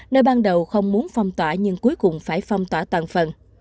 nơi ban đầu không muốn phong tỏa nhưng cuối cùng phải phong tỏa toàn phần